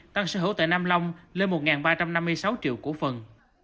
tăng sở hữu tại nam long lên một ba trăm năm mươi sáu triệu cổ phần